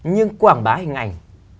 nhưng quảng bá hình ảnh